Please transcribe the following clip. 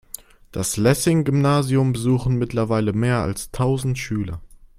Das Lessing-Gymnasium besuchen mittlerweile mehr als tausend Schüler.